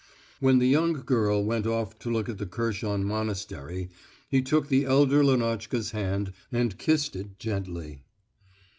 When the young girl went off to look at the Kherson monastery he took the elder Lenotchka's hand and kissed it gently.